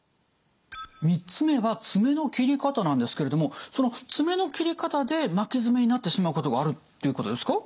３つ目は爪の切り方なんですけれどもその爪の切り方で巻き爪になってしまうことがあるっていうことですか？